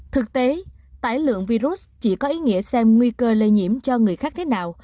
thực tế tải lượng virus chỉ có ý nghĩa xem nguy cơ lây nhiễm cho người khác thế nào